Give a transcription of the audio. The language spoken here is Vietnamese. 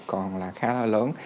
còn là khá là lớn